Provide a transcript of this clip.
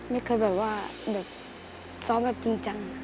ไม่เคยแบบว่าเดี๋ยวซ้อมแบบจริง